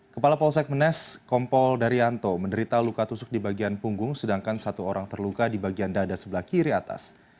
kepala polsek menes kompol daryanto menderita luka tusuk di bagian punggung sedangkan satu orang terluka di bagian dada sebelah kiri atas